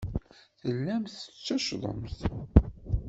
Tellamt tetteccḍemt.